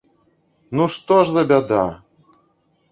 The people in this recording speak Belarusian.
Ну што ж за бяда!